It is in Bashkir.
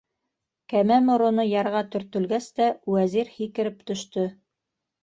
Кәмә мороно ярға төртөлгәс тә, Вәзир һикереп төштө.